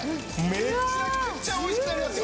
めちゃくちゃ美味しくなりますよ。